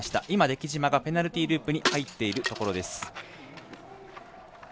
今、出来島がペナルティーループに入っているところです。